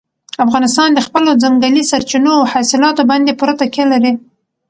افغانستان د خپلو ځنګلي سرچینو او حاصلاتو باندې پوره تکیه لري.